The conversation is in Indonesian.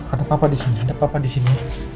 ada papa di sini ada papa di sini